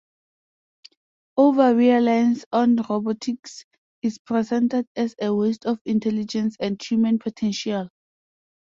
Over-reliance on robotics is presented as a waste of intelligence and human potential.